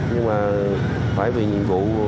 nhưng mà phải vì nhiệm vụ